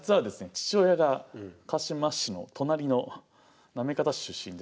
父親が鹿嶋市の隣の行方市出身でして。